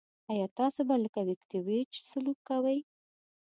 آیا تاسو به لکه ویتکیویچ سلوک کوئ.